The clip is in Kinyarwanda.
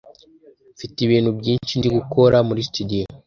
Mfite ibintu byinshi ndi gukora muri studio